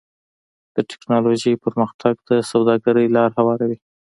د ټکنالوجۍ پرمختګ د سوداګرۍ لاره هواروي.